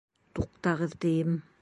Туҡтағыҙ, тием!